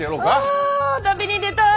あ旅に出たい！